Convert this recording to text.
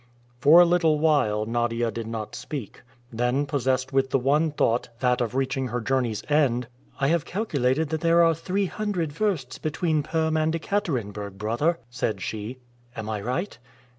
For a little while Nadia did not speak. Then possessed with the one thought, that of reaching her journey's end, "I have calculated that there are three hundred versts between Perm and Ekaterenburg, brother," said she. "Am I right?"